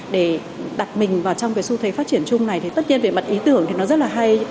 để đặt mình vào trong cái xu thế phát triển chung này thì tất nhiên về mặt ý tưởng thì nó rất là hay